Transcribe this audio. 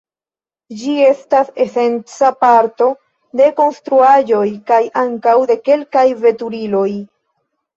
Ĝi estas esenca parto de konstruaĵoj kaj ankaŭ de kelkaj veturiloj.